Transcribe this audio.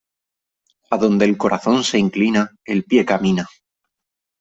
Adonde el corazón se inclina, el pie camina.